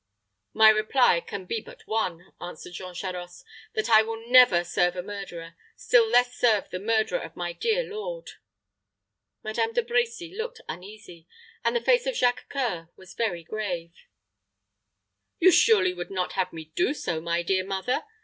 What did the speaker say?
"My reply can be but one," answered Jean Charost; "that I will never serve a murderer; still less serve the murderer of my dear lord." Madame De Brecy looked uneasy, and the face of Jacques C[oe]ur was very grave. "You surely would not have me do so, my dear mother?"